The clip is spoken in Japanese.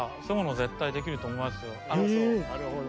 なるほど。